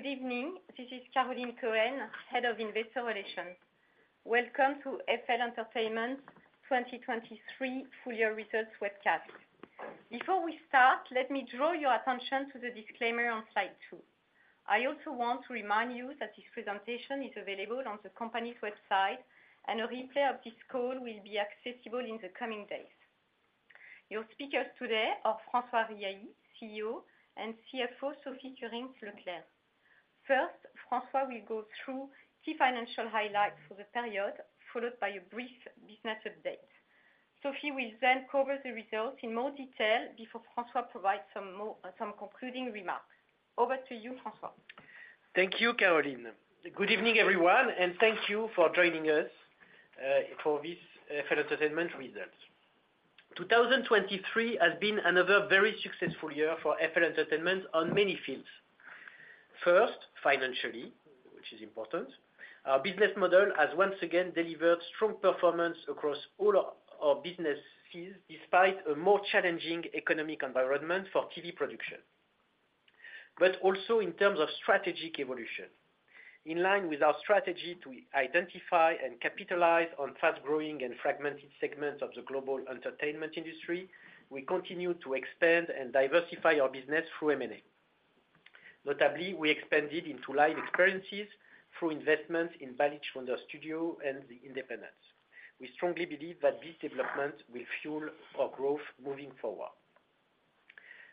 Good evening. This is Caroline Cohen, Head of Investor Relations. Welcome to FL Entertainment's 2023 full year results webcast. Before we start, let me draw your attention to the disclaimer on slide 2. I also want to remind you that this presentation is available on the company's website, and a replay of this call will be accessible in the coming days. Your speakers today are François Riahi, CEO, and Sophie Kurinckx-Leclerc, CFO. First, François will go through key financial highlights for the period, followed by a brief business update. Sophie will then cover the results in more detail before François provides some concluding remarks. Over to you, François. Thank you, Caroline. Good evening, everyone, and thank you for joining us for this FL Entertainment results. 2023 has been another very successful year for FL Entertainment on many fields. First, financially, which is important, our business model has once again delivered strong performance across all our business fields, despite a more challenging economic environment for TV production, but also in terms of strategic evolution. In line with our strategy to identify and capitalize on fast-growing and fragmented segments of the global entertainment industry, we continue to expand and diversify our business through M&A. Notably, we expanded into live experiences through investments in Balich Wonder Studio and The Independents. We strongly believe that this development will fuel our growth moving forward.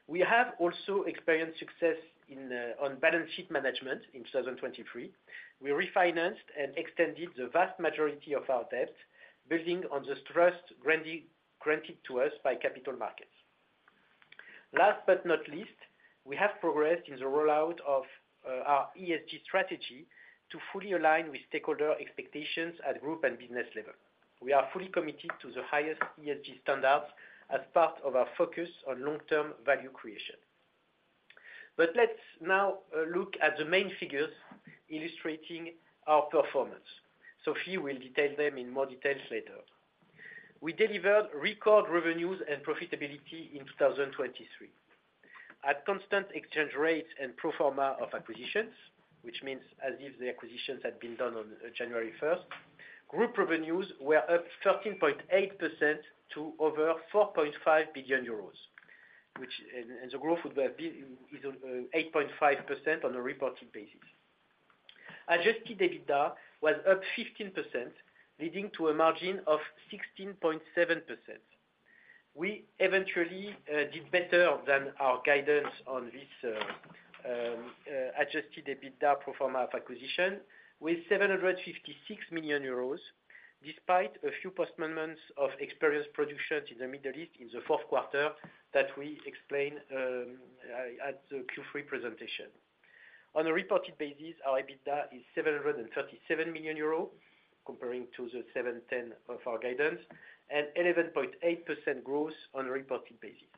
We have also experienced success in on balance sheet management in 2023. We refinanced and extended the vast majority of our debt, building on the trust granted to us by capital markets. Last but not least, we have progressed in the rollout of our ESG strategy to fully align with stakeholder expectations at group and business level. We are fully committed to the highest ESG standards as part of our focus on long-term value creation. But let's now look at the main figures illustrating our performance. Sophie will detail them in more details later. We delivered record revenues and profitability in 2023. At constant exchange rates and pro forma of acquisitions, which means as if the acquisitions had been done on January first, group revenues were up 13.8% to over 4.5 billion euros, which and, and the growth would have been, is, 8.5% on a reported basis. Adjusted EBITDA was up 15%, leading to a margin of 16.7%. We eventually did better than our guidance on this adjusted EBITDA pro forma of acquisition, with 756 million euros, despite a few postponements of live experiences in the Middle East in the fourth quarter, that we explained at the Q3 presentation. On a reported basis, our EBITDA is 737 million euros, comparing to the 710 of our guidance, and 11.8% growth on a reported basis.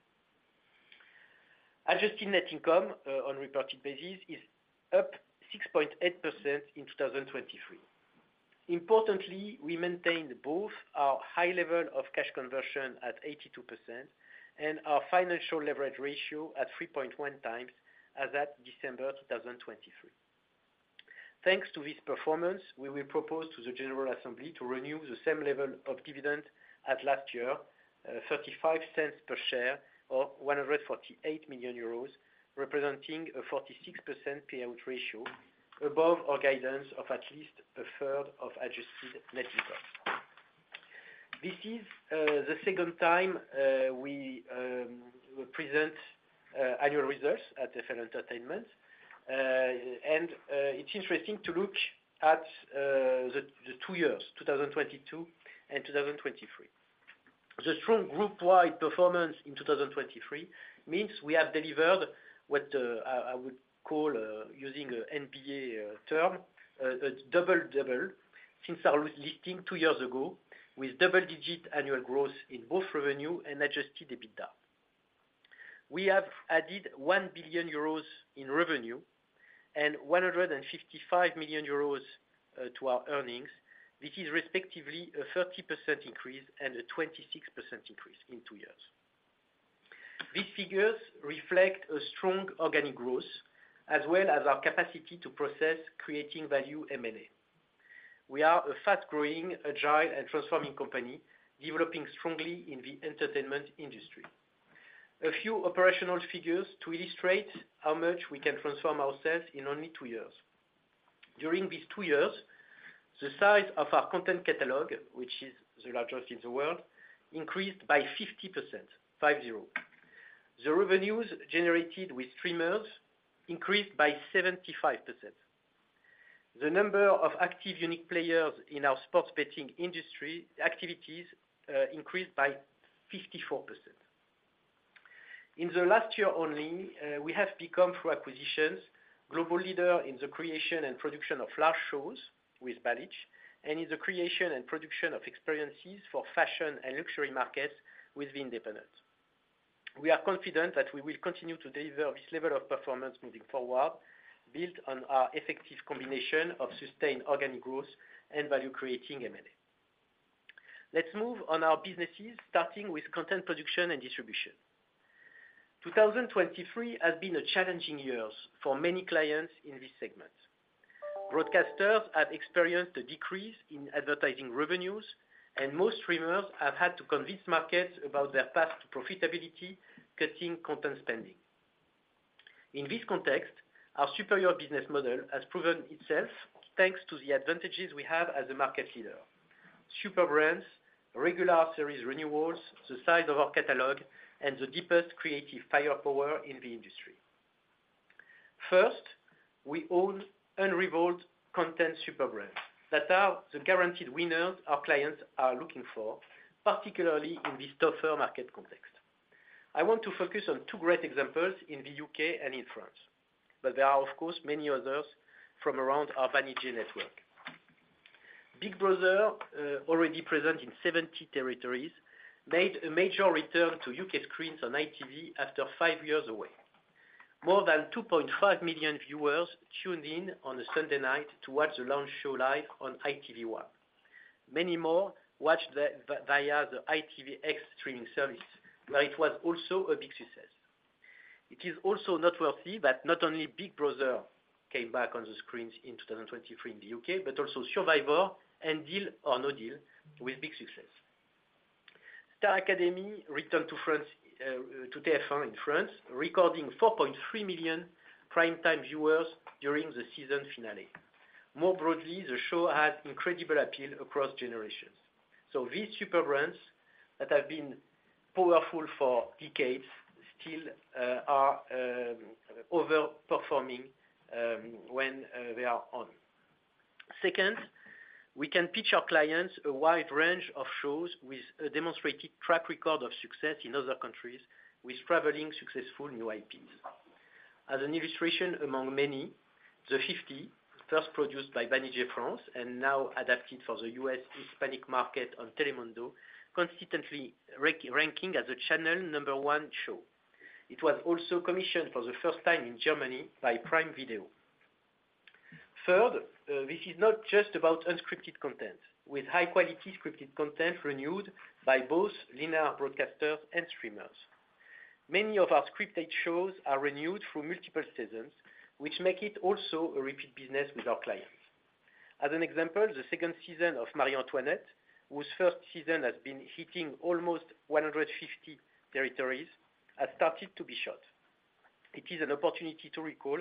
Adjusted net income on reported basis is up 6.8% in 2023. Importantly, we maintained both our high level of cash conversion at 82% and our financial leverage ratio at 3.1 times as at December 2023. Thanks to this performance, we will propose to the General Assembly to renew the same level of dividend as last year, 0.35 per share, or 148 million euros, representing a 46% payout ratio above our guidance of at least a third of adjusted net income. This is the second time we present annual results at FL Entertainment. It's interesting to look at the two years, 2022 and 2023. The strong group-wide performance in 2023 means we have delivered what I would call, using a NBA term, a double-double since our listing two years ago, with double-digit annual growth in both revenue and adjusted EBITDA. We have added 1 billion euros in revenue and 155 million euros to our earnings. This is respectively a 30% increase and a 26% increase in two years. These figures reflect a strong organic growth, as well as our capacity to process creating value M&A. We are a fast-growing, agile, and transforming company, developing strongly in the entertainment industry. A few operational figures to illustrate how much we can transform ourselves in only two years. During these two years, the size of our content catalog, which is the largest in the world, increased by 50%, 5,0. The revenues generated with streamers increased by 75%. The number of active unique players in our sports betting industry activities increased by 54%. In the last year only, we have become, through acquisitions, global leader in the creation and production of live shows with Balich, and in the creation and production of experiences for fashion and luxury markets with The Independents. We are confident that we will continue to deliver this level of performance moving forward, build on our effective combination of sustained organic growth and value-creating M&A. Let's move on our businesses, starting with content production and distribution. 2023 has been a challenging years for many clients in this segment. Broadcasters have experienced a decrease in advertising revenues, and most streamers have had to convince markets about their path to profitability, cutting content spending. In this context, our superior business model has proven itself, thanks to the advantages we have as a market leader: super brands, regular series renewals, the size of our catalog, and the deepest creative firepower in the industry. First, we own unrivaled content super brands that are the guaranteed winners our clients are looking for, particularly in this tougher market context. I want to focus on two great examples in the U.K. and in France, but there are, of course, many others from around our Banijay network. Big Brother, already present in 70 territories, made a major return to U.K. screens on ITV after 5 years away. More than 2.5 million viewers tuned in on a Sunday night to watch the launch show live on ITV One. Many more watched via the ITVX streaming service, where it was also a big success. It is also noteworthy that not only Big Brother came back on the screens in 2023 in the U.K., but also Survivor and Deal or No Deal with big success. Star Academy returned to France, to TF1 in France, recording 4.3 million prime time viewers during the season finale. More broadly, the show had incredible appeal across generations. So these super brands that have been powerful for decades still are overperforming when they are on. Second, we can pitch our clients a wide range of shows with a demonstrated track record of success in other countries, with traveling successful new IPs. As an illustration among many, The Fifty, first produced by Banijay France and now adapted for the US Hispanic market on Telemundo, consistently ranking as the channel number one show. It was also commissioned for the first time in Germany by Prime Video. Third, this is not just about unscripted content, with high-quality scripted content renewed by both linear broadcasters and streamers. Many of our scripted shows are renewed through multiple seasons, which make it also a repeat business with our clients. As an example, the second season of Marie Antoinette, whose first season has been hitting almost 150 territories, has started to be shot. It is an opportunity to recall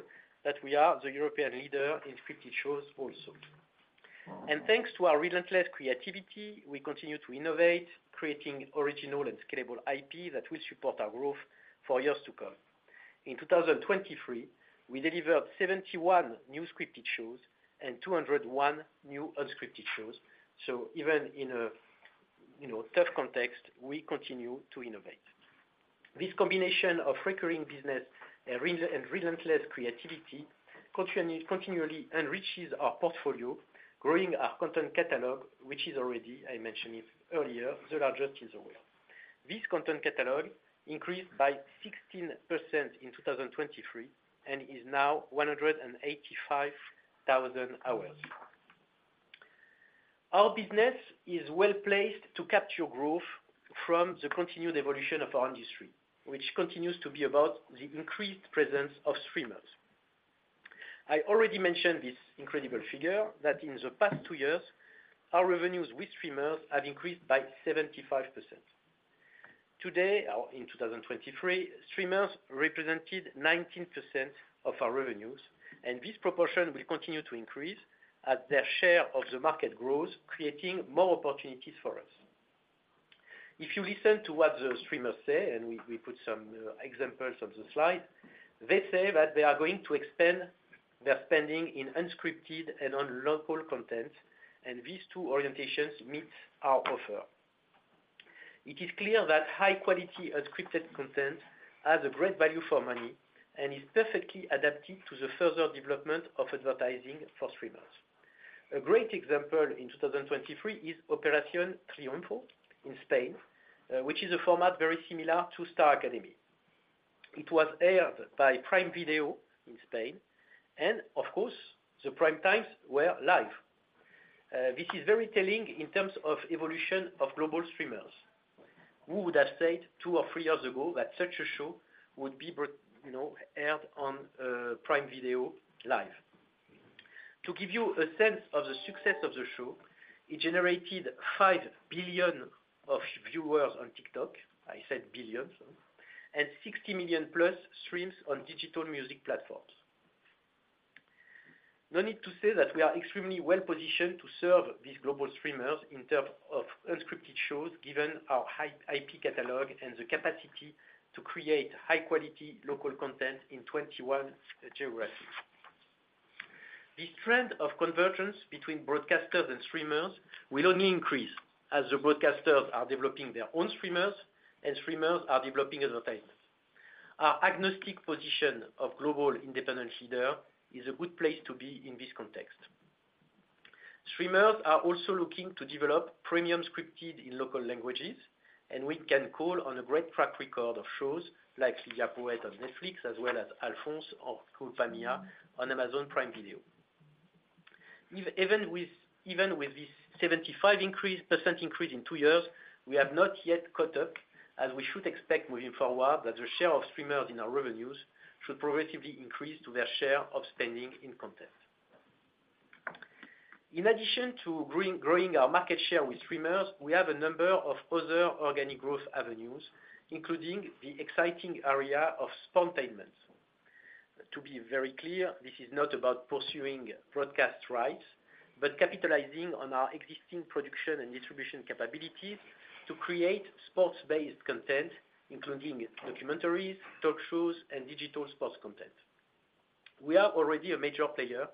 that we are the European leader in scripted shows also. And thanks to our relentless creativity, we continue to innovate, creating original and scalable IP that will support our growth for years to come. In 2023, we developed 71 new scripted shows and 201 new unscripted shows, so even in a, you know, tough context, we continue to innovate. This combination of recurring business and relentless creativity continually enriches our portfolio, growing our content catalog, which is already, I mentioned it earlier, the largest in the world. This content catalog increased by 16% in 2023 and is now 185,000 hours. Our business is well-placed to capture growth from the continued evolution of our industry, which continues to be about the increased presence of streamers. I already mentioned this incredible figure, that in the past two years, our revenues with streamers have increased by 75%. Today, or in 2023, streamers represented 19% of our revenues, and this proportion will continue to increase as their share of the market grows, creating more opportunities for us. If you listen to what the streamers say, and we put some examples on the slide, they say that they are going to expand their spending in unscripted and on local content, and these two orientations meet our offer. It is clear that high-quality unscripted content has a great value for money and is perfectly adapted to the further development of advertising for streamers. A great example in 2023 is Operación Triunfo in Spain, which is a format very similar to Star Academy. It was aired by Prime Video in Spain, and of course, the prime times were live. This is very telling in terms of evolution of global streamers. Who would have said 2 or 3 years ago that such a show would be you know, aired on Prime Video live? To give you a sense of the success of the show, it generated 5 billion of viewers on TikTok. I said billions, and 60 million-plus streams on digital music platforms. No need to say that we are extremely well-positioned to serve these global streamers in terms of unscripted shows, given our high IP catalog and the capacity to create high-quality local content in 21 geographies. This trend of convergence between broadcasters and streamers will only increase, as the broadcasters are developing their own streamers, and streamers are developing advertisers. Our agnostic position of global independent leader is a good place to be in this context. Streamers are also looking to develop premium scripted in local languages, and we can call on a great track record of shows like Lidia Poët on Netflix, as well as Alphonse or Culpa Mía on Amazon Prime Video. Even with this 75% increase in two years, we have not yet caught up, as we should expect moving forward, that the share of streamers in our revenues should progressively increase to their share of spending in content. In addition to growing our market share with streamers, we have a number of other organic growth avenues, including the exciting area of sportainment. To be very clear, this is not about pursuing broadcast rights, but capitalizing on our existing production and distribution capabilities to create sports-based content, including documentaries, talk shows, and digital sports content. We are already a major player,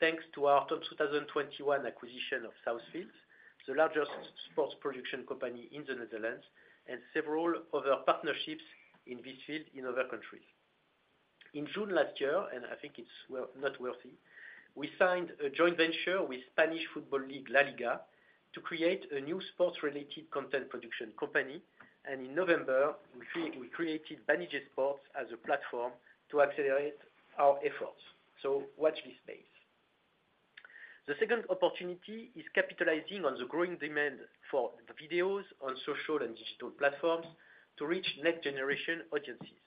thanks to our 2021 acquisition of Southfields, the largest sports production company in the Netherlands, and several other partnerships in this field in other countries. In June last year, and I think it's well-noted, we signed a joint venture with Spanish football league, LaLiga, to create a new sports-related content production company, and in November, we created Banijay Sports as a platform to accelerate our efforts. So watch this space. The second opportunity is capitalizing on the growing demand for the videos on social and digital platforms to reach next generation audiences.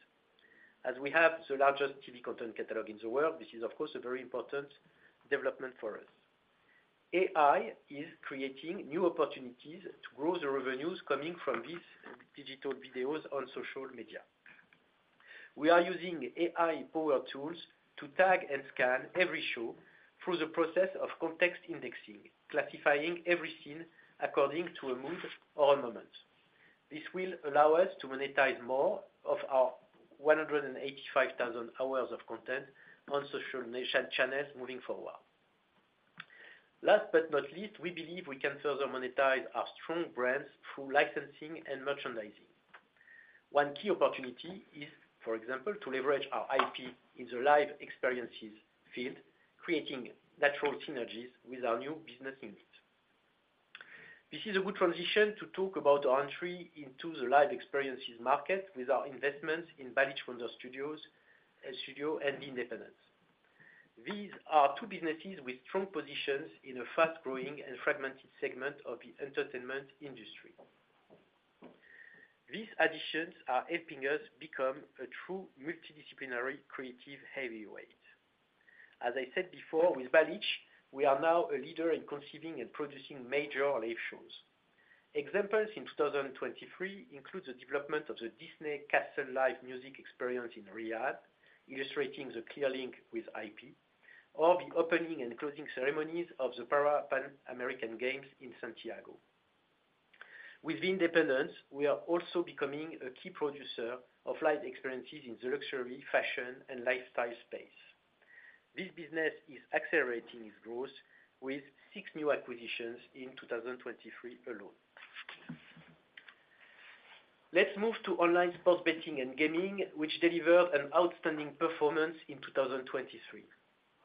As we have the largest TV content catalog in the world, this is, of course, a very important development for us. AI is creating new opportunities to grow the revenues coming from these digital videos on social media. We are using AI power tools to tag and scan every show through the process of Context Indexing, classifying every scene according to a mood or a moment. This will allow us to monetize more of our 185,000 hours of content on social media channels moving forward. Last but not least, we believe we can further monetize our strong brands through licensing and merchandising. One key opportunity is, for example, to leverage our IP in the live experiences field, creating natural synergies with our new business units. This is a good transition to talk about our entry into the live experiences market with our investments in Balich Wonder Studio, El Studio, and The Independents. These are two businesses with strong positions in a fast-growing and fragmented segment of the entertainment industry. These additions are helping us become a true multidisciplinary creative heavyweight. As I said before, with Balich, we are now a leader in conceiving and producing major live shows. Examples in 2023 include the development of the Disney: The Castle live music experience in Riyadh, illustrating the clear link with IP, or the opening and closing ceremonies of the Parapan American Games in Santiago. With The Independents, we are also becoming a key producer of live experiences in the luxury, fashion, and lifestyle space. This business is accelerating its growth with six new acquisitions in 2023 alone. Let's move to online sports betting and gaming, which delivered an outstanding performance in 2023.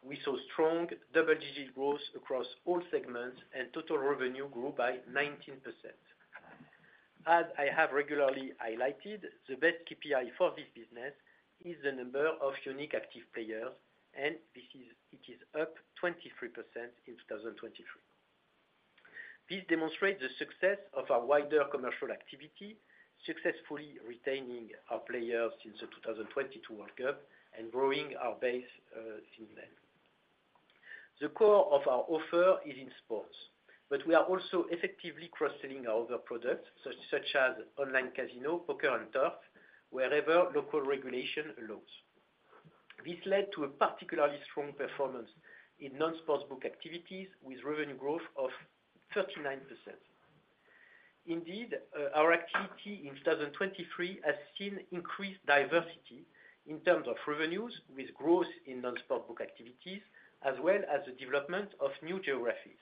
We saw strong double-digit growth across all segments, and total revenue grew by 19%. As I have regularly highlighted, the best KPI for this business is the number of unique active players, and it is up 23% in 2023. This demonstrates the success of our wider commercial activity, successfully retaining our players since the 2022 World Cup and growing our base since then. The core of our offer is in sports, but we are also effectively cross-selling our other products, such as online casino, poker, and turf, wherever local regulation allows. This led to a particularly strong performance in non-sportsbook activities, with revenue growth of 39%. Indeed, our activity in 2023 has seen increased diversity in terms of revenues, with growth in non-sportsbook activities, as well as the development of new geographies.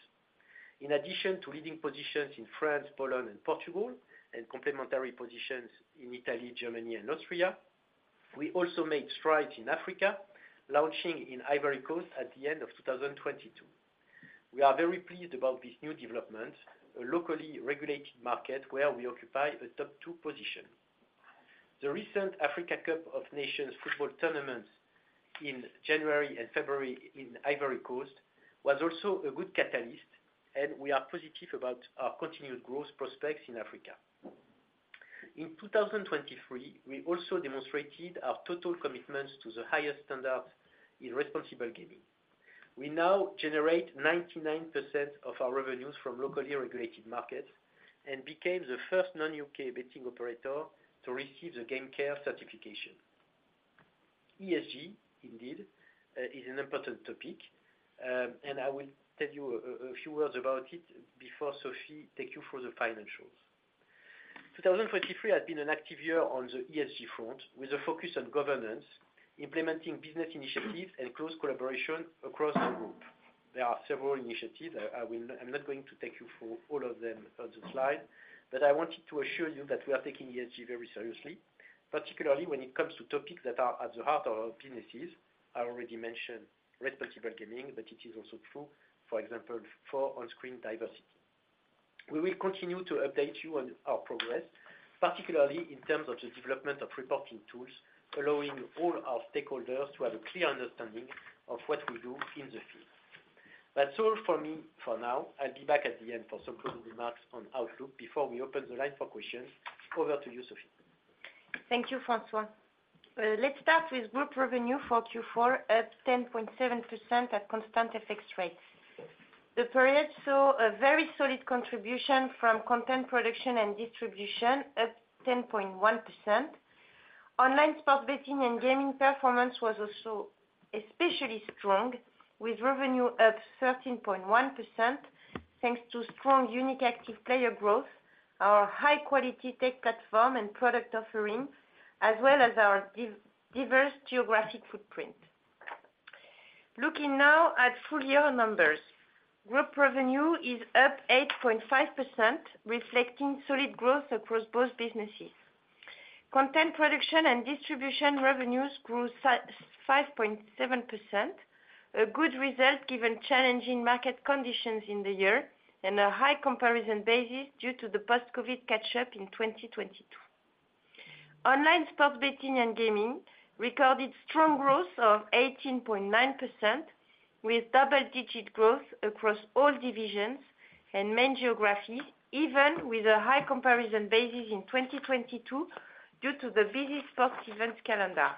In addition to leading positions in France, Poland, and Portugal, and complementary positions in Italy, Germany, and Austria, we also made strides in Africa, launching in Ivory Coast at the end of 2022. We are very pleased about this new development, a locally regulated market where we occupy a top 2 position. The recent Africa Cup of Nations football tournaments in January and February in Ivory Coast was also a good catalyst, and we are positive about our continued growth prospects in Africa. In 2023, we also demonstrated our total commitment to the highest standards in responsible gaming. We now generate 99% of our revenues from locally regulated markets and became the first non-UK betting operator to receive the GamCare certification. ESG, indeed, is an important topic, and I will tell you a few words about it before Sophie take you through the financials. 2023 has been an active year on the ESG front, with a focus on governance, implementing business initiatives and close collaboration across the group. There are several initiatives. I will not. I'm not going to take you through all of them on the slide, but I wanted to assure you that we are taking ESG very seriously, particularly when it comes to topics that are at the heart of our businesses. I already mentioned responsible gaming, but it is also true, for example, for on-screen diversity. We will continue to update you on our progress, particularly in terms of the development of reporting tools, allowing all our stakeholders to have a clear understanding of what we do in the field. That's all for me for now. I'll be back at the end for some closing remarks on outlook before we open the line for questions. Over to you, Sophie. Thank you, François. Let's start with group revenue for Q4, up 10.7% at constant FX rates. The period saw a very solid contribution from content production and distribution, up 10.1%. Online sports betting and gaming performance was also especially strong, with revenue up 13.1%, thanks to strong unique active player growth, our high quality tech platform and product offering, as well as our diverse geographic footprint. Looking now at full year numbers. Group revenue is up 8.5%, reflecting solid growth across both businesses. Content production and distribution revenues grew 5.7%, a good result, given challenging market conditions in the year and a high comparison basis due to the post-COVID catch-up in 2022. Online sports betting and gaming recorded strong growth of 18.9%, with double-digit growth across all divisions and main geographies, even with a high comparison basis in 2022 due to the busy sports events calendar.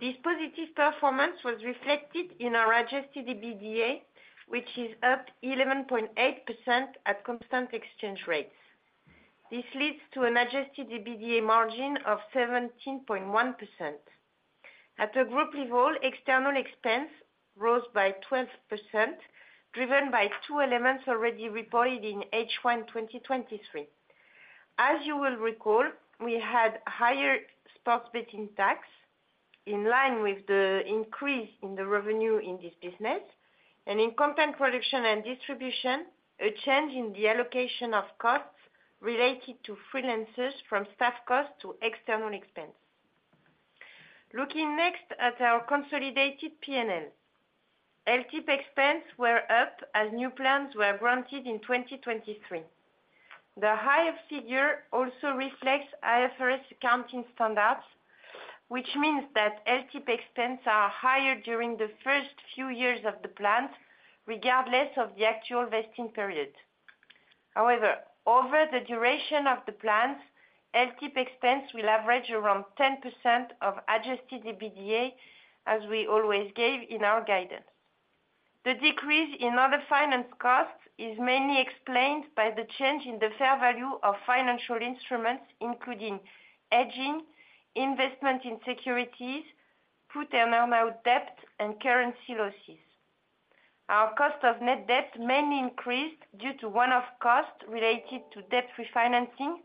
This positive performance was reflected in our adjusted EBITDA, which is up 11.8% at constant exchange rates. This leads to an adjusted EBITDA margin of 17.1%. At a group level, external expense rose by 12%, driven by two elements already reported in H1 2023. As you will recall, we had higher sports betting tax, in line with the increase in the revenue in this business, and in content production and distribution, a change in the allocation of costs related to freelancers from staff costs to external expense. Looking next at our consolidated P&L. LTIP expenses were up as new plans were granted in 2023. The high figure also reflects IFRS accounting standards, which means that LTIP expenses are higher during the first few years of the plan, regardless of the actual vesting period. However, over the duration of the plans, LTIP expenses will average around 10% of adjusted EBITDA, as we always gave in our guidance. The decrease in other finance costs is mainly explained by the change in the fair value of financial instruments, including hedging, investment in securities, put and call debt, and currency losses. Our cost of net debt mainly increased due to one-off costs related to debt refinancing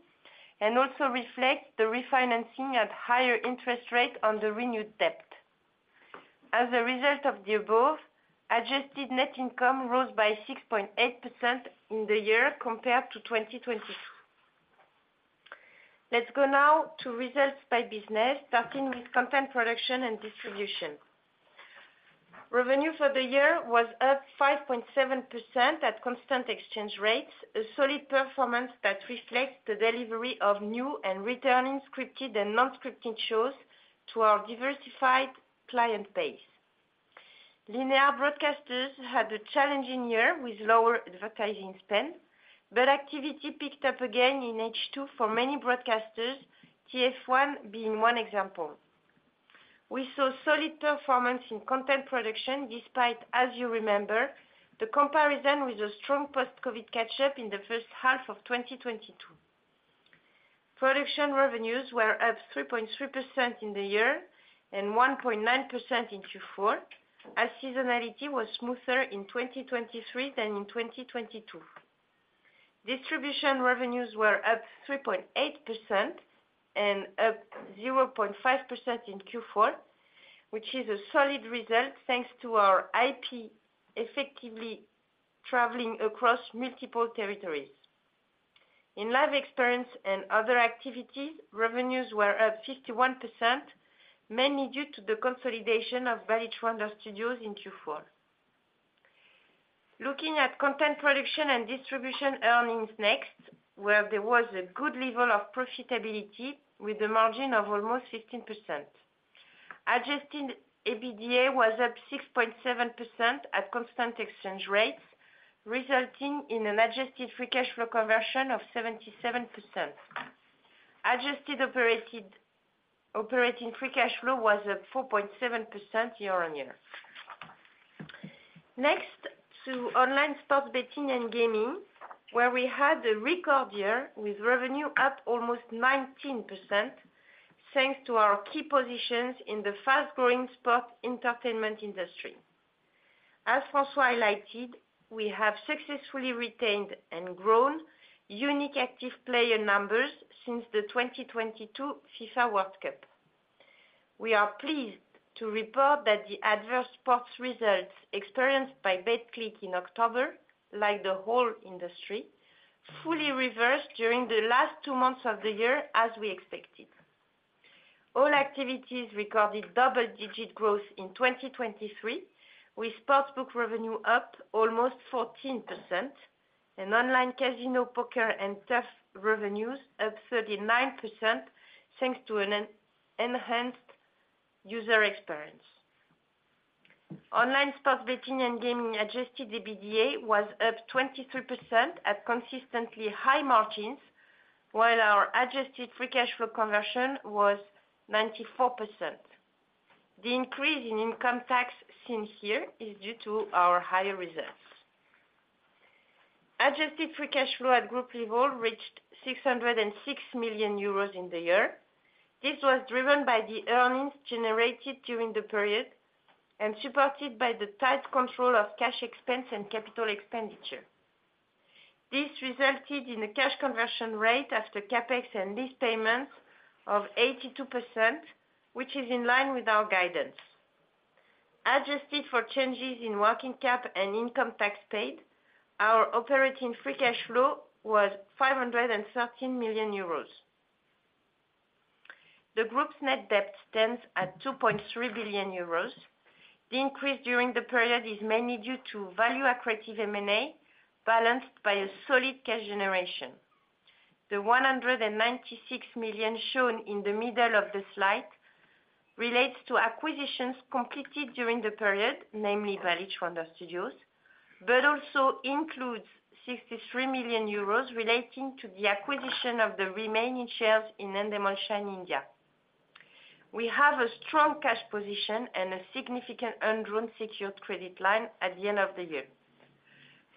and also reflects the refinancing at higher interest rate on the renewed debt. As a result of the above, adjusted net income rose by 6.8% in the year compared to 2022. Let's go now to results by business, starting with content production and distribution. Revenue for the year was up 5.7% at constant exchange rates, a solid performance that reflects the delivery of new and returning scripted and non-scripted shows to our diversified client base. Linear broadcasters had a challenging year with lower advertising spend, but activity picked up again in H2 for many broadcasters, TF1 being one example. We saw solid performance in content production despite, as you remember, the comparison with a strong post-COVID catch-up in the first half of 2022. Production revenues were up 3.3% in the year and 1.9% in Q4, as seasonality was smoother in 2023 than in 2022. Distribution revenues were up 3.8% and up 0.5% in Q4, which is a solid result thanks to our IP effectively traveling across multiple territories. In live experience and other activities, revenues were up 51%, mainly due to the consolidation of Balich Wonder Studio in Q4. Looking at content production and distribution earnings next, where there was a good level of profitability with a margin of almost 15%. Adjusted EBITDA was up 6.7% at constant exchange rates, resulting in an adjusted free cash flow conversion of 77%. Adjusted operating free cash flow was up 4.7% year-on-year. Next to online sports betting and gaming, where we had a record year with revenue up almost 19%, thanks to our key positions in the fast-growing sports entertainment industry. As François highlighted, we have successfully retained and grown unique active player numbers since the 2022 FIFA World Cup. We are pleased to report that the adverse sports results experienced by Betclic in October, like the whole industry, fully reversed during the last two months of the year, as we expected. All activities recorded double-digit growth in 2023, with sportsbook revenue up almost 14% and online casino poker and turf revenues up 39%, thanks to an enhanced user experience. Online sports betting and gaming Adjusted EBITDA was up 23% at consistently high margins, while our Adjusted Free Cash Flow conversion was 94%. The increase in income tax seen here is due to our higher results. Adjusted Free Cash Flow at group level reached 606 million euros in the year. This was driven by the earnings generated during the period and supported by the tight control of cash expense and capital expenditure. This resulted in a cash conversion rate after CapEx and lease payments of 82%, which is in line with our guidance. Adjusted for changes in working cap and income tax paid, our operating free cash flow was 513 million euros. The group's net debt stands at 2.3 billion euros. The increase during the period is mainly due to value accretive M&A, balanced by a solid cash generation. The 196 million shown in the middle of the slide relates to acquisitions completed during the period, namely Balich Wonder Studio, but also includes 63 million euros relating to the acquisition of the remaining shares in Endemol Shine India. We have a strong cash position and a significant undrawn secured credit line at the end of the year.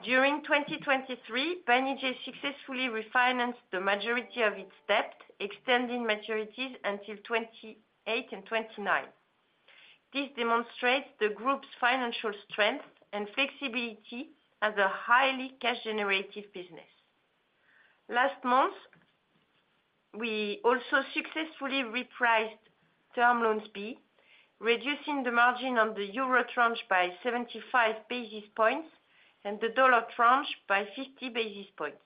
During 2023, Banijay successfully refinanced the majority of its debt, extending maturities until 2028 and 2029. This demonstrates the group's financial strength and flexibility as a highly cash generative business. Last month, we also successfully repriced Term Loan B, reducing the margin on the euro tranche by 75 basis points and the dollar tranche by 50 basis points.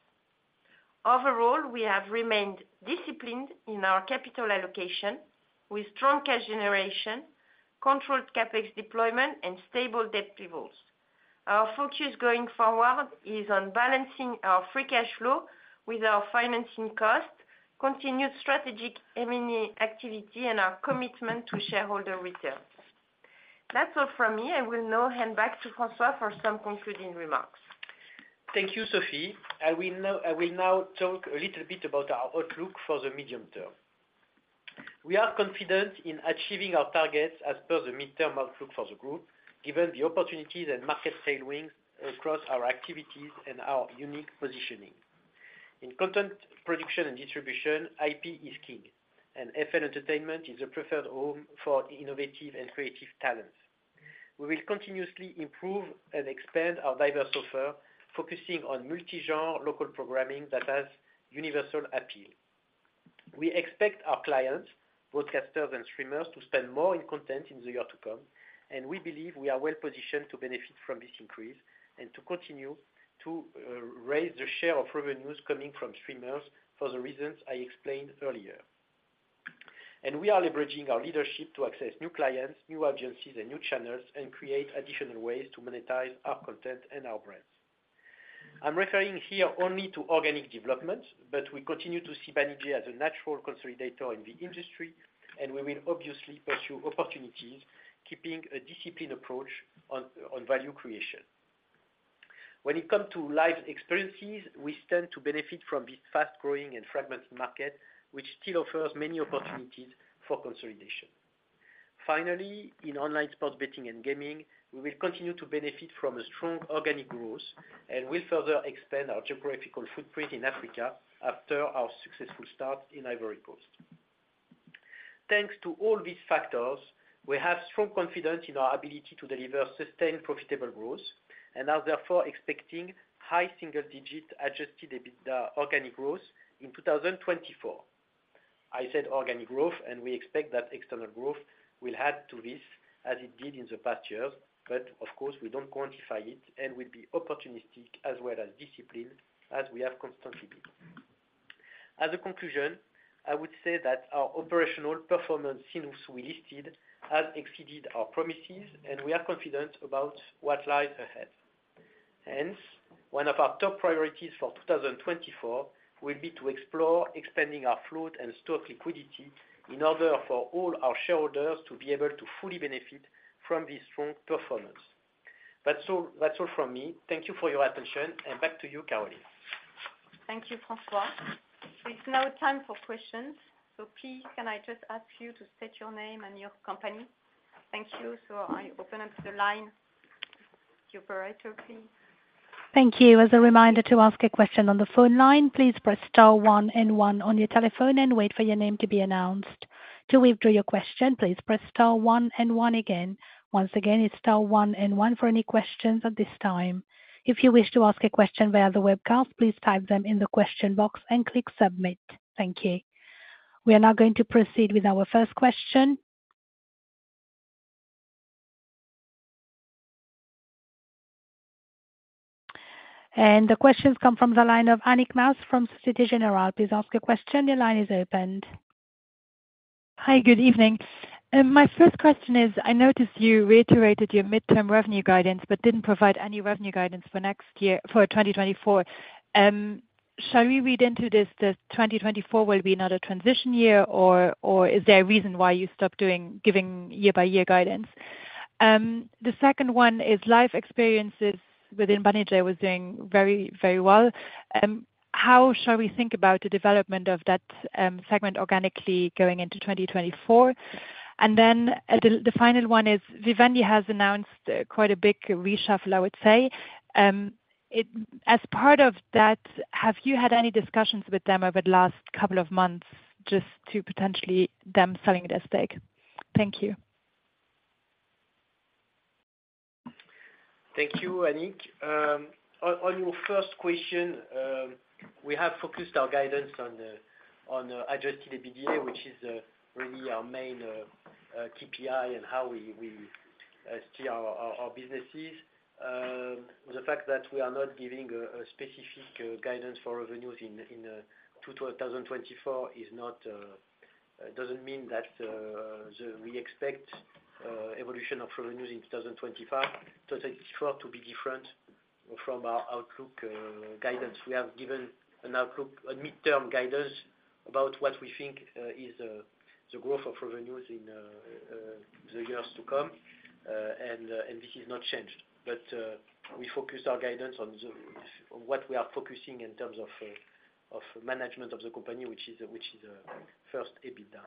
Overall, we have remained disciplined in our capital allocation with strong cash generation, controlled CapEx deployment, and stable debt levels. Our focus going forward is on balancing our free cash flow with our financing costs, continued strategic M&A activity, and our commitment to shareholder returns. That's all from me. I will now hand back to François for some concluding remarks. Thank you, Sophie. I will now talk a little bit about our outlook for the medium term. We are confident in achieving our targets as per the midterm outlook for the group, given the opportunities and market tailwinds across our activities and our unique positioning. In content production and distribution, IP is king, and FL Entertainment is the preferred home for innovative and creative talents. We will continuously improve and expand our diverse offer, focusing on multi-genre local programming that has universal appeal. We expect our clients, broadcasters and streamers, to spend more in content in the year to come, and we believe we are well positioned to benefit from this increase and to continue to raise the share of revenues coming from streamers for the reasons I explained earlier. We are leveraging our leadership to access new clients, new agencies, and new channels and create additional ways to monetize our content and our brands. I'm referring here only to organic development, but we continue to see Banijay as a natural consolidator in the industry, and we will obviously pursue opportunities, keeping a disciplined approach on value creation. When it comes to live experiences, we stand to benefit from this fast-growing and fragmented market, which still offers many opportunities for consolidation. Finally, in online sports betting and gaming, we will continue to benefit from a strong organic growth and will further expand our geographical footprint in Africa after our successful start in Ivory Coast. Thanks to all these factors, we have strong confidence in our ability to deliver sustained, profitable growth and are therefore expecting high single-digit Adjusted EBITDA organic growth in 2024. I said organic growth, and we expect that external growth will add to this as it did in the past years. But of course, we don't quantify it and we'll be opportunistic as well as disciplined, as we have constantly been. As a conclusion, I would say that our operational performance since we listed has exceeded our promises, and we are confident about what lies ahead. Hence, one of our top priorities for 2024 will be to explore expanding our float and stock liquidity in order for all our shareholders to be able to fully benefit from this strong performance. That's all, that's all from me. Thank you for your attention and back to you, Caroline. Thank you, François. It's now time for questions. So please, can I just ask you to state your name and your company? Thank you. So I open up the line, the operator, please. Thank you. As a reminder, to ask a question on the phone line, please press star one and one on your telephone and wait for your name to be announced. To withdraw your question, please press star one and one again. Once again, it's star one and one for any questions at this time. If you wish to ask a question via the webcast, please type them in the question box and click submit. Thank you. We are now going to proceed with our first question. The questions come from the line of Annick Maas from Société Générale. Please ask a question. Your line is open. Hi, good evening. My first question is, I noticed you reiterated your midterm revenue guidance, but didn't provide any revenue guidance for next year, for 2024. Shall we read into this that 2024 will be another transition year, or is there a reason why you stopped doing - giving year-by-year guidance? The second one is, live experiences within Banijay was doing very, very well. How shall we think about the development of that segment organically going into 2024? And then, the final one is, Vivendi has announced quite a big reshuffle, I would say. As part of that, have you had any discussions with them over the last couple of months, just to potentially them selling their stake? Thank you. Thank you, Annick. On your first question, we have focused our guidance on adjusted EBITDA, which is really our main KPI and how we steer our businesses. The fact that we are not giving a specific guidance for revenues in 2024 is not—doesn't mean that we expect evolution of revenues in 2025, 2024 to be different from our outlook guidance. We have given an outlook, a midterm guidance about what we think is the growth of revenues in the years to come. This is not changed. But, we focused our guidance on the, on what we are focusing in terms of, of management of the company, which is, which is, first, EBITDA.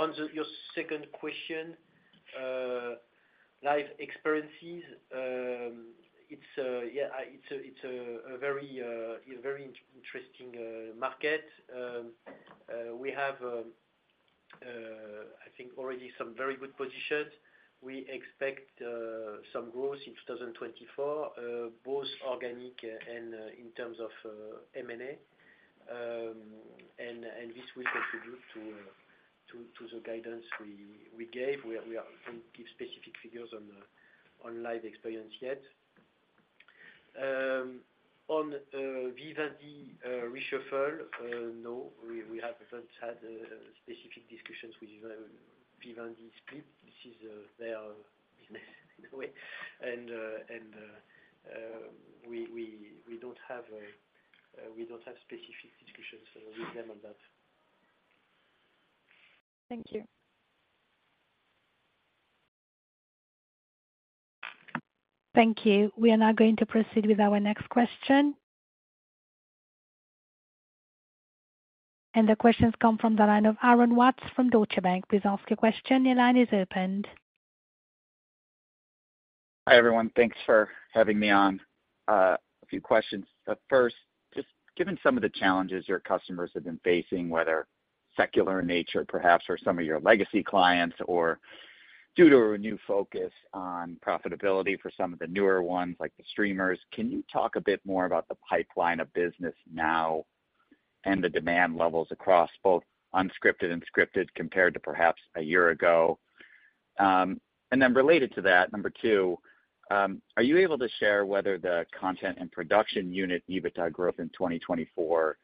On the, your second question, live experiences. It's, yeah, it's a, it's a, a very, very interesting, market. We have, I think already some very good positions. We expect, some growth in 2024, both organic and, in terms of, M&A. And, and this will contribute to, to, to the guidance we, we gave. We are, we are-- can't give specific figures on, on live experience yet. On, Vivendi, reshuffle, no, we, we have not had, specific discussions with, Vivendi's people. This is, their business in a way. We don't have specific discussions with them on that. Thank you. Thank you. We are now going to proceed with our next question. The questions come from the line of Aaron Watts from Deutsche Bank. Please ask your question. Your line is open. Hi, everyone. Thanks for having me on. A few questions. First, just given some of the challenges your customers have been facing, whether secular in nature, perhaps for some of your legacy clients, or due to a renewed focus on profitability for some of the newer ones, like the streamers, can you talk a bit more about the pipeline of business now and the demand levels across both unscripted and scripted, compared to perhaps a year ago? And then related to that, number two, are you able to share whether the content and production unit, EBITDA growth in 2024,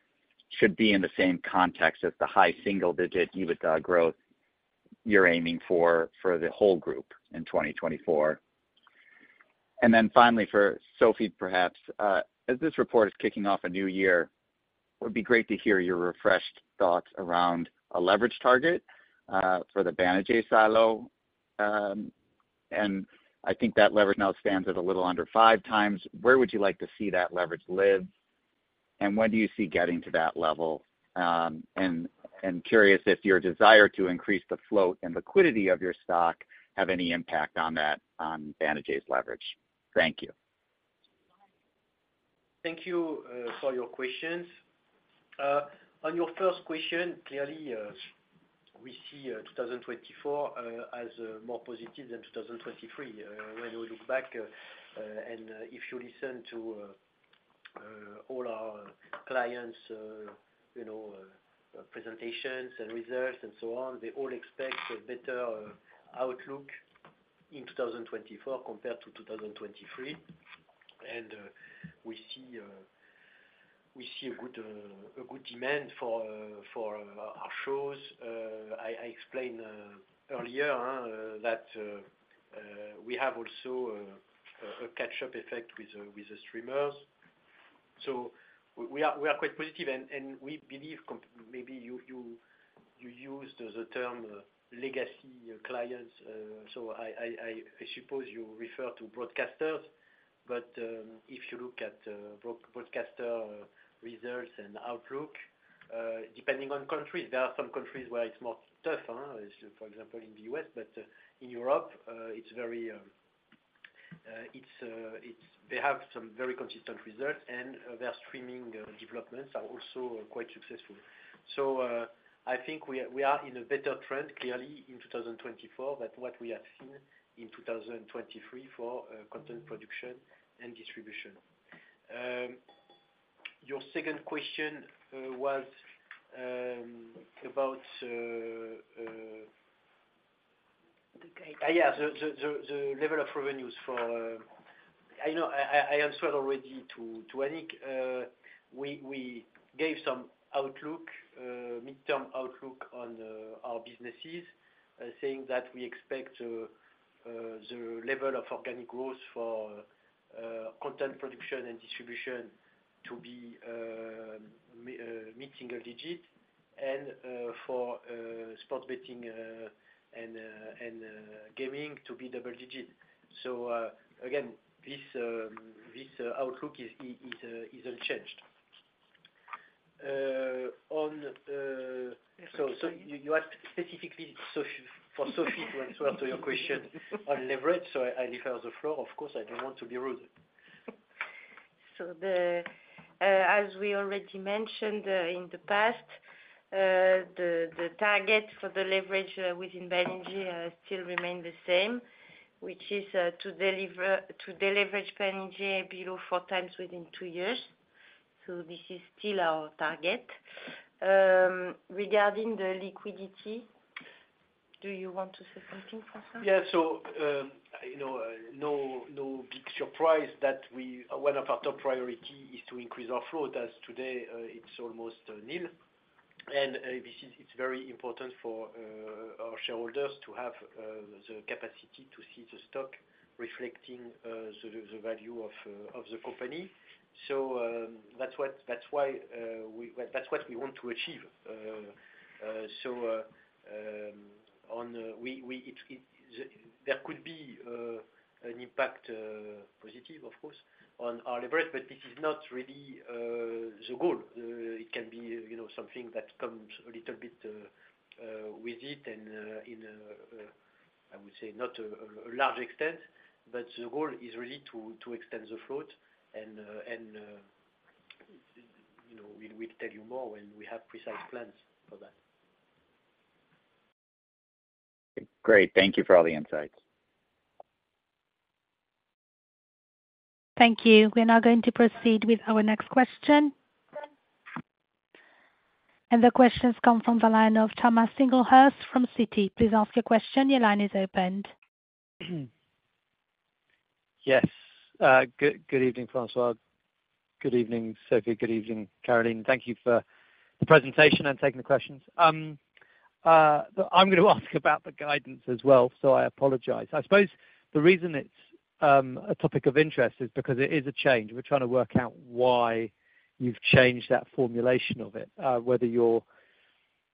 should be in the same context as the high single-digit EBITDA growth you're aiming for, for the whole group in 2024? And then finally, for Sophie, perhaps, as this report is kicking off a new year, it would be great to hear your refreshed thoughts around a leverage target for the Banijay silo. And I think that leverage now stands at a little under 5x. Where would you like to see that leverage live, and when do you see getting to that level? And curious if your desire to increase the float and liquidity of your stock have any impact on that, on Banijay's leverage. Thank you. Thank you for your questions. On your first question, clearly, we see 2024 as more positive than 2023. When you look back and if you listen to all our clients, you know, presentations and results, and so on, they all expect a better outlook in 2024 compared to 2023. And we see a good demand for our shows. I explained earlier that we have also a catch-up effect with the streamers. So we are quite positive and we believe, maybe you used the term legacy clients, so I suppose you refer to broadcasters. But if you look at broadcaster results and outlook, depending on countries, there are some countries where it's more tough, for example, in the U.S. But in Europe, they have some very consistent results, and their streaming developments are also quite successful. So I think we are in a better trend clearly in 2024 than what we have seen in 2023 for content production and distribution. Your second question was about, yeah, the level of revenues for. I know I answered already to Annick. We gave some outlook, midterm outlook on our businesses, saying that we expect the level of organic growth for content production and distribution to be mid-single digit. And for sport betting and gaming to be double digit. So again, this outlook is unchanged. So you asked specifically Sophie for Sophie to answer to your question on leverage. So I defer the floor. Of course, I don't want to be rude. As we already mentioned in the past, the target for the leverage within Banijay still remain the same, which is to deleverage Banijay below 4x within two years. So this is still our target. Regarding the liquidity, do you want to say something, François? Yeah. So, you know, no, no big surprise that one of our top priority is to increase our flow. As of today, it's almost nil. And this is—it's very important for our shareholders to have the capacity to see the stock reflecting the value of the company. So, that's what, that's why we... That's what we want to achieve. So, there could be an impact, positive of course, on our leverage, but this is not really the goal. It can be, you know, something that comes a little bit with it, and I would say, not a large extent. But the goal is really to extend the float and, you know, we'll tell you more when we have precise plans for that. Great. Thank you for all the insights. Thank you. We're now going to proceed with our next question. The question's come from the line of Thomas Singlehurst from Citi. Please ask your question. Your line is opened. Yes. Good evening, François. Good evening, Sophie. Good evening, Caroline. Thank you for the presentation and taking the questions. But I'm going to ask about the guidance as well, so I apologize. I suppose the reason it's a topic of interest is because it is a change. We're trying to work out why you've changed that formulation of it, whether you're,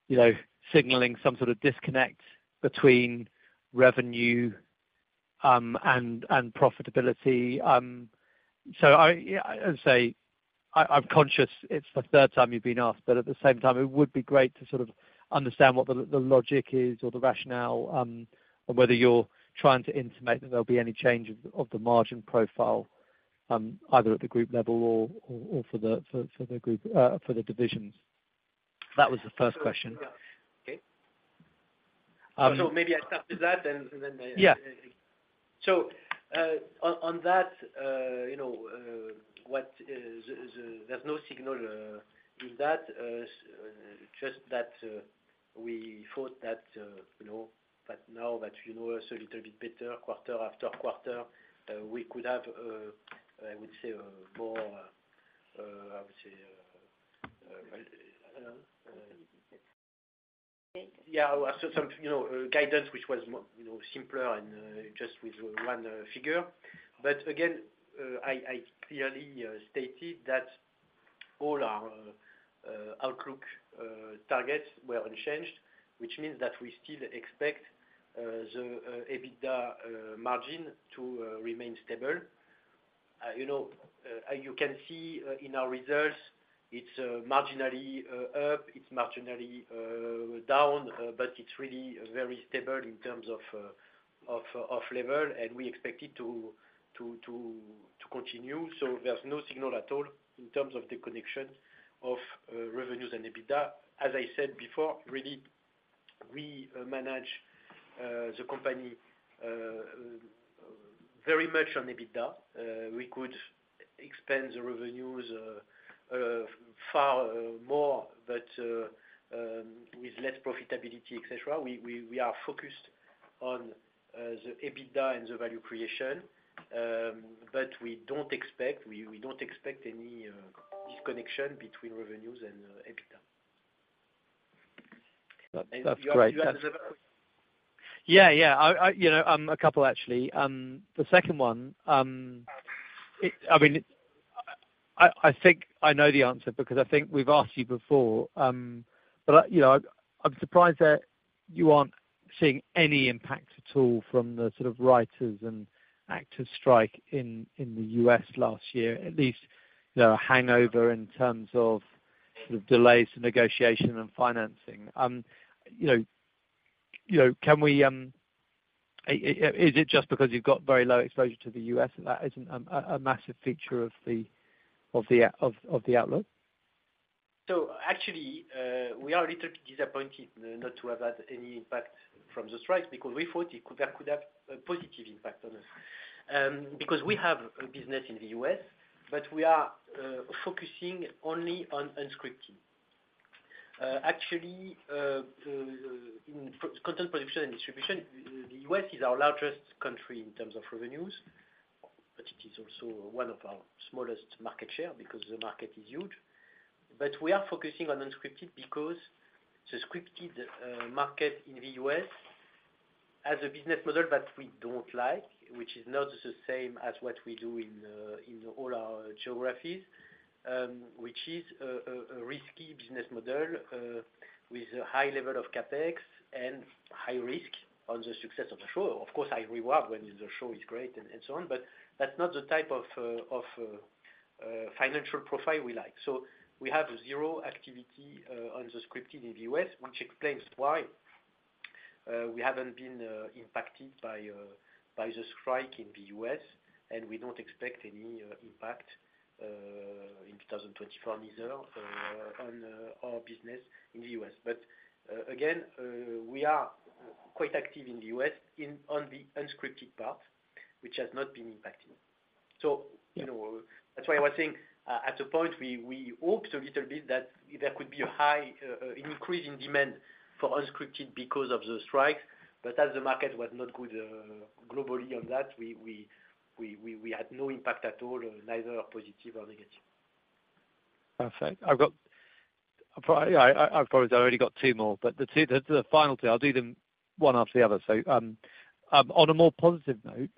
you know, signaling some sort of disconnect between revenue and profitability. Yeah, I'd say I'm conscious it's the third time you've been asked, but at the same time, it would be great to sort of understand what the logic is or the rationale, or whether you're trying to intimate that there'll be any change of the margin profile, either at the group level or for the divisions. That was the first question. Yeah. Okay. Um- So maybe I start with that, and then I- Yeah. So, on that, you know, there's no signal in that. Just that, we thought that, you know, that now that you know us a little bit better, quarter after quarter, we could have, I would say, a more, I would say— Okay. Yeah, so some, you know, guidance, which was more, you know, simpler and just with one figure. But again, I clearly stated that all our outlook targets were unchanged, which means that we still expect the EBITDA margin to remain stable. You know, you can see in our results, it's marginally up, it's marginally down, but it's really very stable in terms of level, and we expect it to continue. So there's no signal at all in terms of the connection of revenues and EBITDA. As I said before, really, we manage the company very much on EBITDA. We could expand the revenues far more, but with less profitability, et cetera. We are focused on the EBITDA and the value creation, but we don't expect any disconnection between revenues and EBITDA. That's great. You have another? Yeah, yeah. I, you know, a couple actually. The second one, I mean, I think I know the answer because I think we've asked you before. But, you know, I'm surprised that you aren't seeing any impact at all from the sort of writers and actors strike in the U.S. last year. At least, you know, a hangover in terms of sort of delays in negotiation and financing. You know, can we... Is it just because you've got very low exposure to the U.S., and that isn't a massive feature of the outlook? So actually, we are a little bit disappointed not to have had any impact from the strikes, because we thought it could have a positive impact on us. Because we have a business in the U.S., but we are focusing only on unscripted. Actually, in content production and distribution, the U.S. is our largest country in terms of revenues, but it is also one of our smallest market share because the market is huge. But we are focusing on unscripted, because the scripted market in the U.S. has a business model that we don't like, which is not the same as what we do in all our geographies. Which is a risky business model with a high level of CapEx and high risk on the success of the show. Of course, I reward when the show is great and so on, but that's not the type of financial profile we like. So we have zero activity on the scripted in the U.S., which explains why we haven't been impacted by the strike in the U.S., and we don't expect any impact in 2024 neither on our business in the U.S. But again, we are quite active in the U.S. in the unscripted part, which has not been impacted. So, you know, that's why I was saying at one point we hoped a little bit that there could be a higher increase in demand for unscripted because of the strike. But as the market was not good, globally on that, we had no impact at all, neither positive or negative. Perfect. I've got, I promise I've only got two more, but the two, the final two, I'll do them one after the other. So, on a more positive note,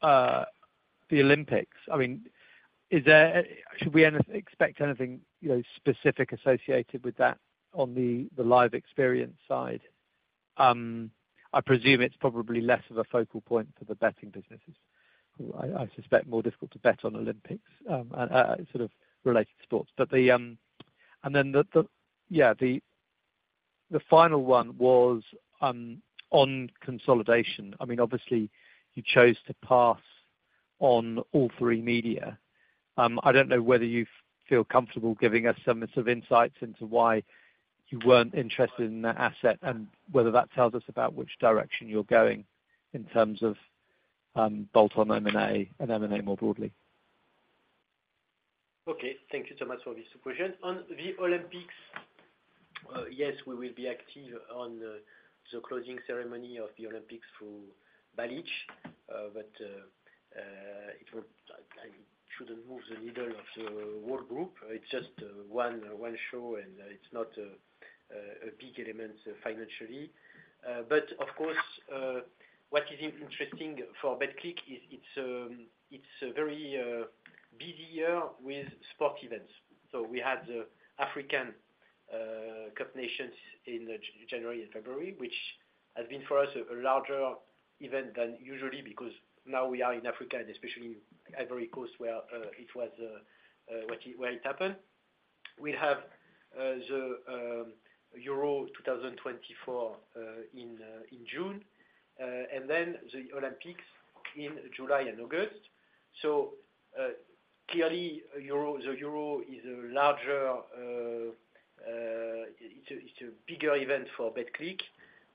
the Olympics, I mean, should we expect anything, you know, specific associated with that on the live experience side? I presume it's probably less of a focal point for the betting businesses. I suspect more difficult to bet on Olympics sort of related sports. But, and then the final one was on consolidation. I mean, obviously you chose to pass on All3Media. I don't know whether you feel comfortable giving us some, sort of, insights into why you weren't interested in that asset, and whether that tells us about which direction you're going in terms of, bolt-on M&A and M&A more broadly? Okay, thank you so much for this question. On the Olympics, yes, we will be active on the closing ceremony of the Olympics through Balich. But it will, I shouldn't move the needle of the whole group. It's just one show, and it's not a big element financially. But of course, what is interesting for Betclic is it's a very busy year with sport events. So we had the African Cup Nations in January and February, which has been for us a larger event than usually, because now we are in Africa and especially Ivory Coast, where it happened. We have the Euro 2024 in June, and then the Olympics in July and August. So, clearly, the Euro is a larger, it's a bigger event for Betclic.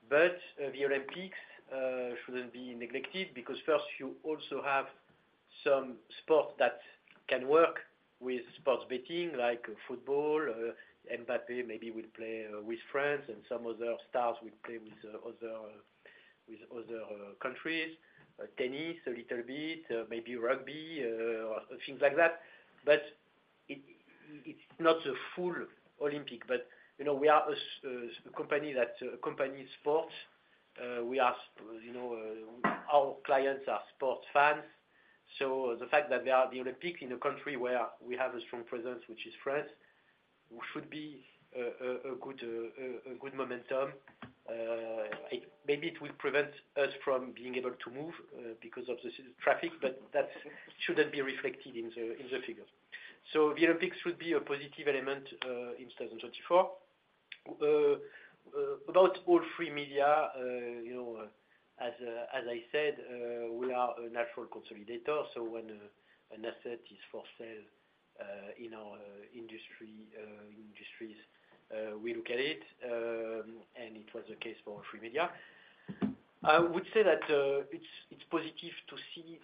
But the Olympics shouldn't be neglected, because first you also have some sport that can work with sports betting, like football. Mbappé maybe will play with France, and some other stars will play with other countries. Tennis, a little bit, maybe rugby, or things like that. But it, it's not a full Olympic. But, you know, we are a sports company. We are, you know, our clients are sports fans, so the fact that there are the Olympics in a country where we have a strong presence, which is France, we should be a good momentum. It may be it will prevent us from being able to move because of the traffic, but that shouldn't be reflected in the figures. So the Olympics will be a positive element in 2024. About All3Media, you know, as I said, we are a natural consolidator, so when an asset is for sale in our industries, we look at it, and it was the case for All3Media. I would say that it's positive to see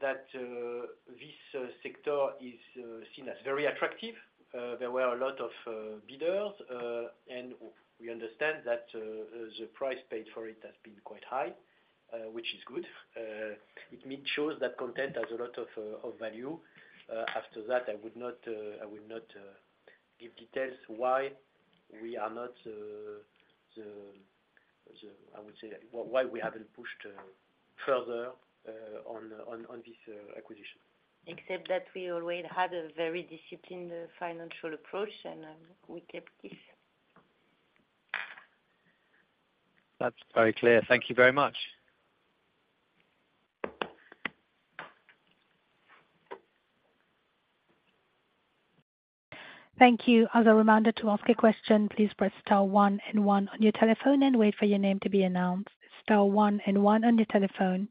that this sector is seen as very attractive. There were a lot of bidders, and we understand that the price paid for it has been quite high, which is good. It shows that content has a lot of value. After that, I would not, I will not, give details why we are not, I would say, why we haven't pushed further on this acquisition. Except that we always had a very disciplined financial approach, and we kept this. That's very clear. Thank you very much. Thank you. As a reminder, to ask a question, please press star one and one on your telephone and wait for your name to be announced. Star one and one on your telephone.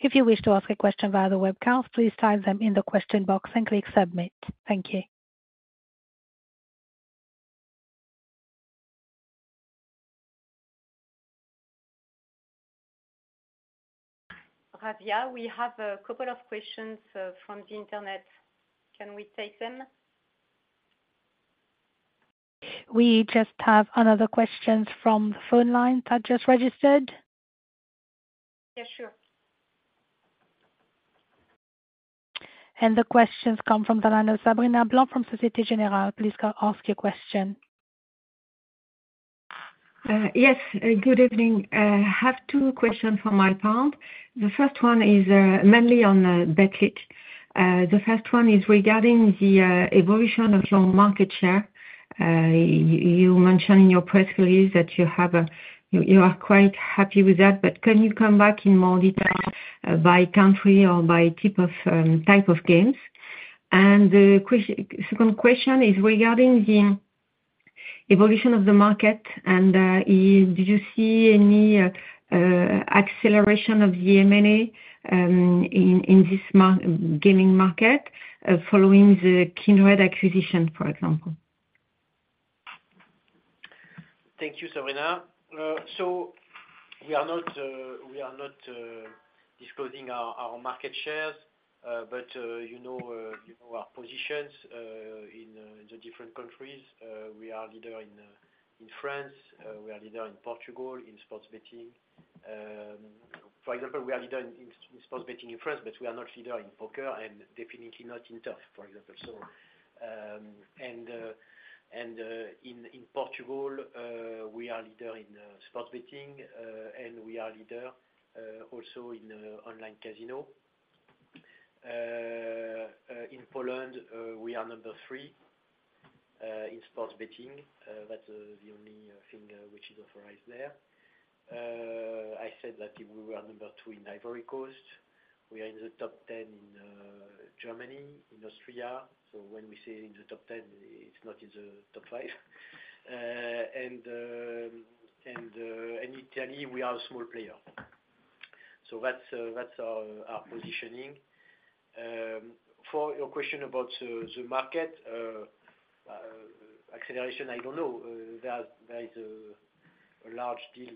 If you wish to ask a question via the webcast, please type them in the question box and click Submit. Thank you. Radhia, we have a couple of questions from the internet. Can we take them? We just have another question from the phone line that just registered. Yeah, sure. The question's come from the line of Sabrina Blanc from Société Générale. Please go ahead and ask your question. Yes, good evening. I have two questions on my part. The first one is mainly on Betclic. The first one is regarding the evolution of your market share. You mentioned in your press release that you are quite happy with that, but can you come back in more detail by country or by type of games? And the second question is regarding the evolution of the market, and did you see any acceleration of the M&A in this gaming market following the Kindred acquisition, for example? Thank you, Sabrina. So we are not disclosing our market shares. But you know our positions in the different countries. We are leader in France, we are leader in Portugal, in sports betting. For example, we are leader in sports betting in France, but we are not leader in poker and definitely not in turf, for example. So in Portugal, we are leader in sports betting, and we are leader also in online casino. In Poland, we are number 3 in sports betting. That's the only thing which is authorized there. I said that we were number 2 in Ivory Coast. We are in the top 10 in Germany, in Austria. So when we say in the top 10, it's not in the top five. And in Italy we are a small player. So that's our positioning. For your question about the market acceleration, I don't know. There is a large deal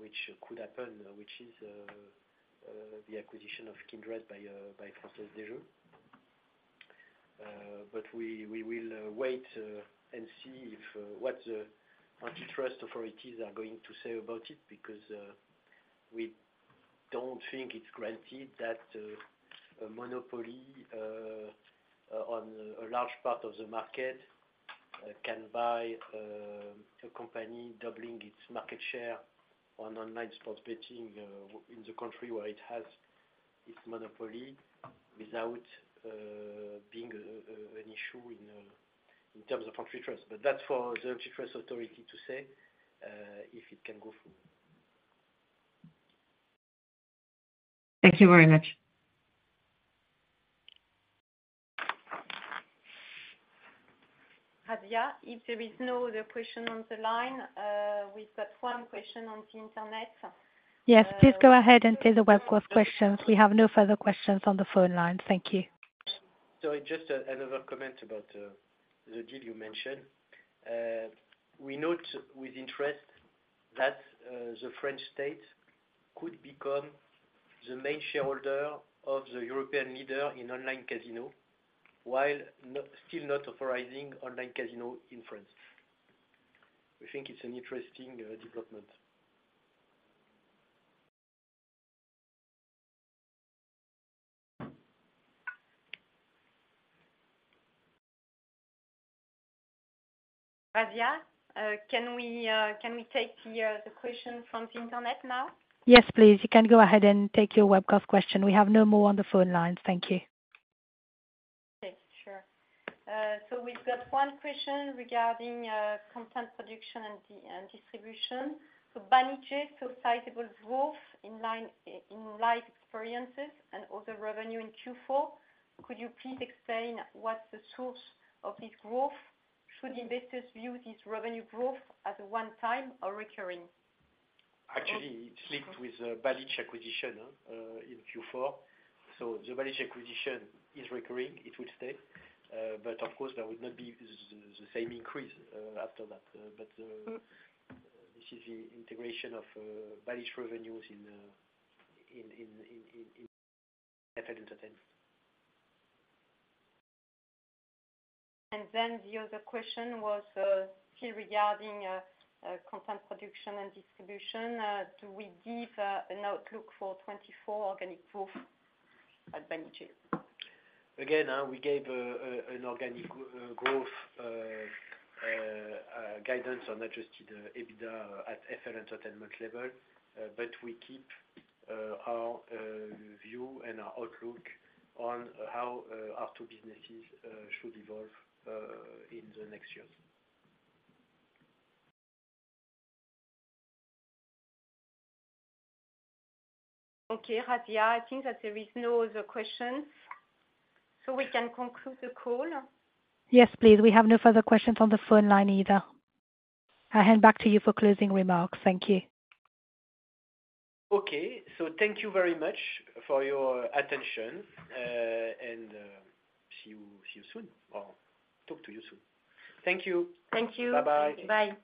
which could happen, which is the acquisition of Kindred by FDJ. But we will wait and see what the antitrust authorities are going to say about it, because we don't think it's granted that a monopoly on a large part of the market can buy a company doubling its market share on online sports betting in the country where it has its monopoly, without being an issue in terms of antitrust. But that's for the antitrust authority to say if it can go through. Thank you very much. Radhia, if there is no other question on the line, we've got one question on the internet. Yes, please go ahead and take the Webex questions. We have no further questions on the phone line. Thank you. So just another comment about the deal you mentioned. We note with interest that the French state could become the main shareholder of the European leader in online casino, while not still not authorizing online casino in France. We think it's an interesting development. Radhia, can we, can we take the question from the internet now? Yes, please. You can go ahead and take your Webex question. We have no more on the phone lines. Thank you. Okay. Sure. So we've got one question regarding content production and distribution. So Banijay, so sizable growth in live experiences and also revenue in Q4. Could you please explain what's the source of this growth? Should investors view this revenue growth as a one time or recurring? Actually, it's linked with the Banijay acquisition in Q4. So the Banijay acquisition is recurring. It will stay, but of course there will not be the same increase after that. But, Mm. This is the integration of Banijay revenues in FL Entertainment. And then the other question was, still regarding content production and distribution. Do we give an outlook for 2024 organic growth at Banijay? Again, we gave an organic growth guidance on adjusted EBITDA at FL Entertainment level. But we keep our view and our outlook on how our two businesses should evolve in the next years. Okay, Riahi, I think that there is no other questions, so we can conclude the call. Yes, please. We have no further questions on the phone line either. I'll hand back to you for closing remarks. Thank you. Okay. So thank you very much for your attention, and, see you, see you soon, or talk to you soon. Thank you. Thank you. Bye-bye. Bye.